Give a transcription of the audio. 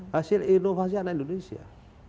hasil inovasi ada di indonesia